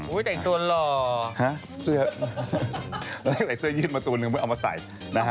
อุ้ยแต่อีกตัวน่ะหล่อฮะเสื้อเสื้อยึดมาตัวนึงเพื่อเอามาใส่นะฮะ